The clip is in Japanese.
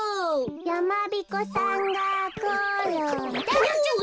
やまびこさんがころんだ！